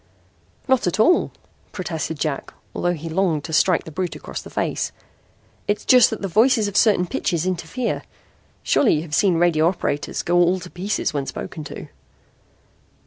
"Not at all," protested Jack, although he longed to strike the brute across the face. "It's just that voices of certain pitches interfere. Surely you have seen radio operators go all to pieces when spoken to."